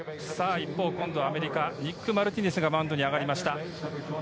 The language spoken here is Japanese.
一方、今度はアメリカ、ニック・マルティネスがマウンドに上がりました。